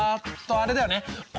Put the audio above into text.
あれだよね！